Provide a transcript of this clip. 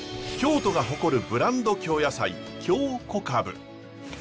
京都が誇るブランド京野菜京こかぶ。